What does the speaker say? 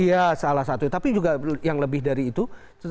iya salah satu tapi juga yang lebih dari itu